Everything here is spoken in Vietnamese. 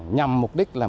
nhằm mục đích là